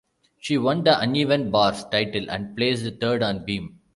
She won the uneven bars title and placed third on beam.